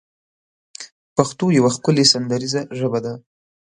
پښتو يوه ښکلې سندريزه ژبه ده